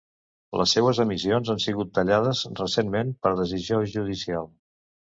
Les seues emissions han sigut tallades recentment per decisió judicial.